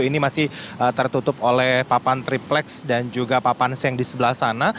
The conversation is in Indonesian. ini masih tertutup oleh papan triplex dan juga papan seng di sebelah sana